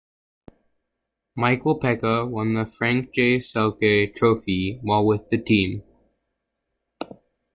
Michael Peca won the Frank J. Selke Trophy while with the team.